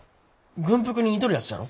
軍服に似とるやつじゃろ。